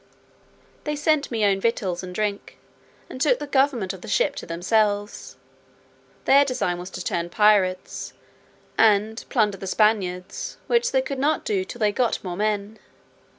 They sent me down victuals and drink, and took the government of the ship to themselves. Their design was to turn pirates, and plunder the Spaniards, which they could not do till they got more men.